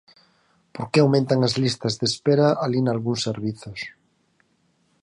¿Por que aumentan as listas de espera alí nalgúns servizos?